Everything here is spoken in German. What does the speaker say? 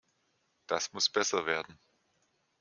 Das muss besser werden!